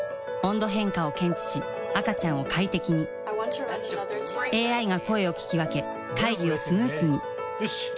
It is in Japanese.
温度変化を検知し赤ちゃんを快適にＡＩが声を聞き分け会議をスムースによし！